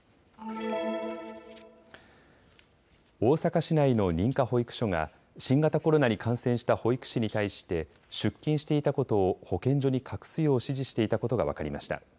大阪市内の認可保育所が新型コロナに感染した保育士に対して出勤していたことを保健所に隠すよう指示していたことが分かりました。